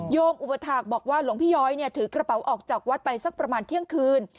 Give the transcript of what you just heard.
อุปถาคบอกว่าหลวงพี่ย้อยถือกระเป๋าออกจากวัดไปสักประมาณเที่ยงคืน